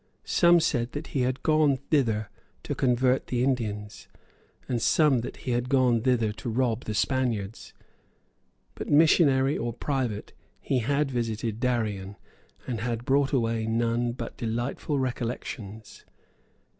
Some said that he had gone thither to convert the Indians, and some that he had gone thither to rob the Spaniards. But, missionary or pirate, he had visited Darien, and had brought away none but delightful recollections.